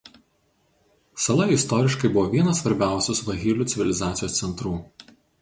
Sala istoriškai buvo vienas svarbiausių Svahilių civilizacijos centrų.